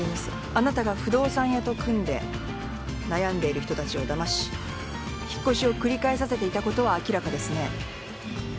あなたが不動産屋と組んで悩んでいる人たちをだまし引っ越しを繰り返させていたことは明らかですね。